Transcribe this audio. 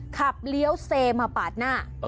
เลี้ยวเซมาปาดหน้า